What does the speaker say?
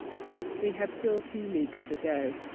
We had still two leagues to go.